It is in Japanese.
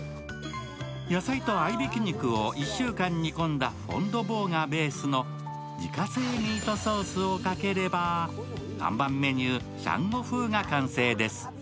野菜と合いびき肉を１週間煮込んだフォンドボーがベースの自家製ミートソースをかければ看板メニュー、シャンゴ風が完成です。